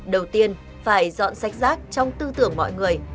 đầu tiên phải dọn sạch rác trong tư tưởng mọi người